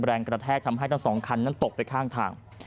แรงกระแทกทำให้ทั้งสองคันนั้นตกไปข้างทาง